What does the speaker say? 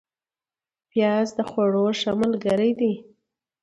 پیاز د خوړو ښه ملګری دی